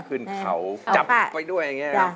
ขึ้นเขาจับไปด้วยอย่างนี้นะ